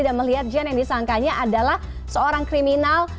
dan melihat jane yang disangkanya adalah seorang kriminal